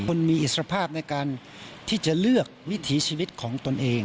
คนมีอิสรภาพในการที่จะเลือกวิถีชีวิตของตนเอง